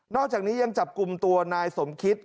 อกจากนี้ยังจับกลุ่มตัวนายสมคิต